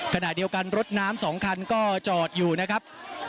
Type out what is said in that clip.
ขณะเดียวกันรถน้ำ๒คันก็จอดอยู่นะครับ